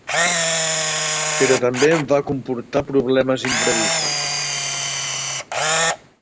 Però també em va comportar problemes imprevistos.